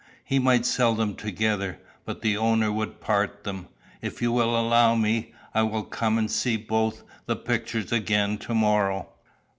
He might sell them together, but the owner would part them. If you will allow me, I will come and see both the pictures again to morrow."